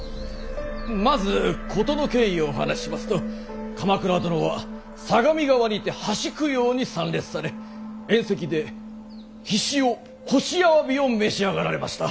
まず事の経緯をお話ししますと鎌倉殿は相模川にて橋供養に参列され宴席でひしお干しあわびを召し上がられました。